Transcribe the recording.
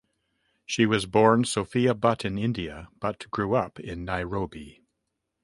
She was born Sophia Butt in India but grew up in Nairobi.